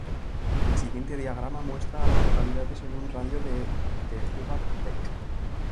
El siguiente diagrama muestra a las localidades en un radio de de Hubbard Lake.